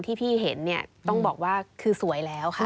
ที่พี่เห็นเนี่ยต้องบอกว่าคือสวยแล้วค่ะ